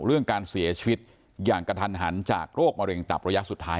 เรื่องการเสียชีวิตอย่างกระทันหันจากโรคมะเร็งตับระยะสุดท้าย